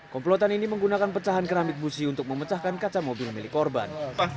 komplotan ini menggunakan pecahan keramit busi untuk memecahkan kaca mobil milik korban